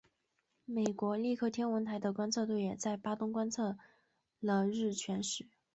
美国利克天文台的观测队也在巴东观测了日全食。